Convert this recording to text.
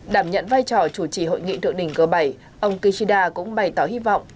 đảm nhận vai trò chủ trì hội nghị thượng đỉnh g bảy ông kishida cũng bày tỏ hy vọng